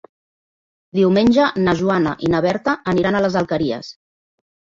Diumenge na Joana i na Berta aniran a les Alqueries.